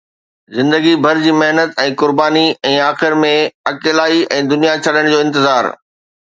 زندگي بھر جي محنت ۽ قرباني ۽ آخر ۾ اڪيلائي ۽ دنيا ڇڏڻ جو انتظار